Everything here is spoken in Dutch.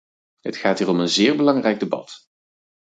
Het gaat hier om een zeer belangrijk debat.